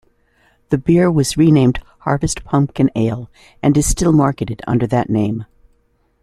The beer was renamed "Harvest Pumpkin Ale" and is still marketed under that name.